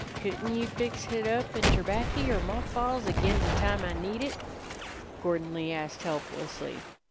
"Couldn't you fix hit up in terbaccy er mothballs ag'in' de time I need hit?" Gordon Lee asked helplessly.